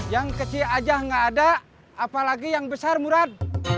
yang kecil aja nggak ada apalagi yang besar murad